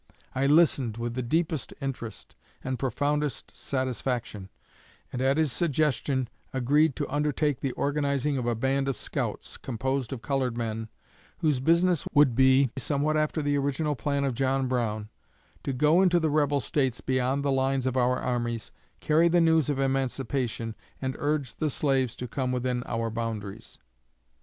I listened with the deepest interest and profoundest satisfaction, and, at his suggestion, agreed to undertake the organizing of a band of scouts, composed of colored men, whose business should be, somewhat after the original plan of John Brown, to go into the rebel States beyond the lines of our armies, carry the news of emancipation, and urge the slaves to come within our boundaries."